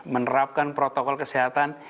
menerapkan protokol kesehatan